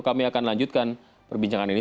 kami akan lanjutkan perbincangan ini